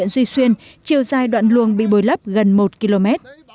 duy xuyên chiều dài đoạn luồng bị bồi lấp gần một km